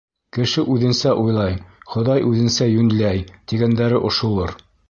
Кеше үҙенсә уйлай, Хоҙай үҙенсә йүнләй, тигәндәре ошолор.